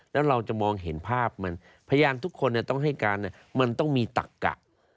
แล้วเราจะมองเห็นภาพมันพยานทุกคนต้องให้การมันต้องมีตักกะ